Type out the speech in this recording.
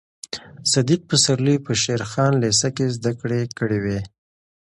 صدیق پسرلي په شېر خان لېسه کې زده کړې کړې وې.